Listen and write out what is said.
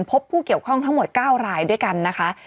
พบผู้เกี่ยวข้องทั้งหมด๙รายด้วยกันนะคะ